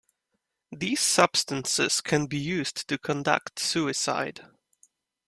These substances can be used to conduct suicide.